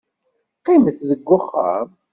Qqimet deg uxxam.